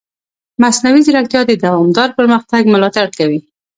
مصنوعي ځیرکتیا د دوامدار پرمختګ ملاتړ کوي.